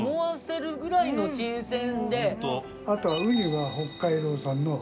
あとはウニは北海道産の利尻産の。